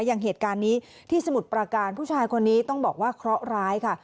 อย่างเหตุการณ์นี้ที่สมุทรประการผู้ชายคนนี้ต้องบอกว่าเคราะห์ร้ายค่ะ